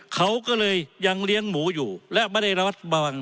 เขาก็เลยยังเลี้ยงหมูอยู่และไม่ได้ระมัดระวัง